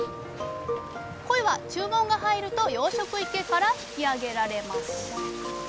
コイは注文が入ると養殖池から引き上げられます。